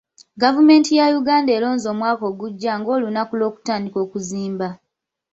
Gavumenti ya Uganda eronze omwaka ogujja nga olunaku lw'okutandika okuzimba.